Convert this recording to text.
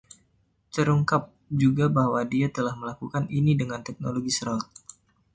Terungkap juga bahwa dia telah melakukan ini dengan teknologi Shroud.